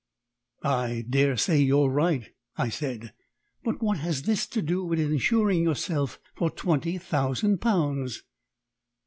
"I daresay you're right," I said. "But what has this to do with insuring yourself for twenty thousand pounds?"